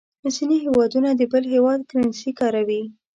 ځینې هېوادونه د بل هېواد کرنسي کاروي.